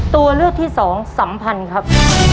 ตัวเลือกที่สองสัมพันธ์ครับ